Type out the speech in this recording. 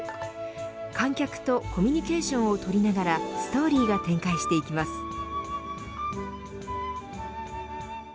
観客とコミュニケーションを取りながらストーリーが展開していきます。